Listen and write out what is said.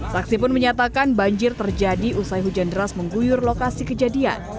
saksi pun menyatakan banjir terjadi usai hujan deras mengguyur lokasi kejadian